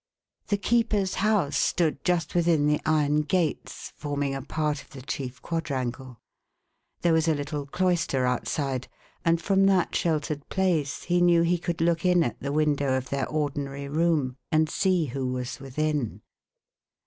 The keeper's house stood just within the iron gates, form ing a part of the chief quadrangle. There was a little cloister THE OLD COLLEGE. 477 outside, and from that sheltered place he knew he could look in at the window of their ordinary room, and .see who was within.